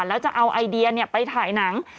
แล้วจะเอาไอเดียไปถ่ายหนัง